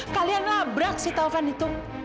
kalian nabrak si taufan itu